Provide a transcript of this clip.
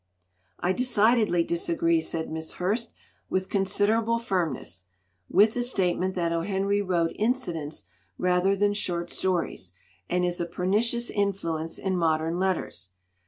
"I decidedly disagree," said Miss Hurst, with considerable firmness, "with the statement that O. Henry wrote incidents rather than short stories, and is a pernicious influence in modern letters.